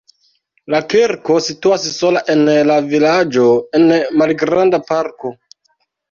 La kirko situas sola en la vilaĝo en malgranda parko.